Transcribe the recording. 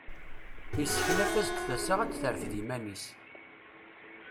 Yesseknaf-as-d tasa ad d-terfed iman-is.